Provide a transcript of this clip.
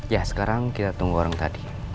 ya sekarang kita tunggu orang tadi